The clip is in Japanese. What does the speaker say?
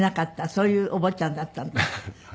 そういうお坊ちゃんだったんですって？